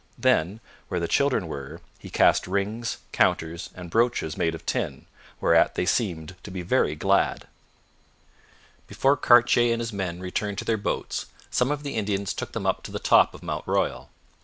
Then where the children were he cast rings, counters and brooches made of tin, whereat they seemed to be very glad. Before Cartier and his men returned to their boats, some of the Indians took them up to the top of Mount Royal.